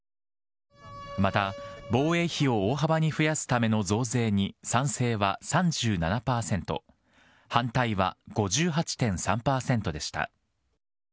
また防衛費を大幅に増やすための増税に賛成は３７％、反対は５８．３％でした。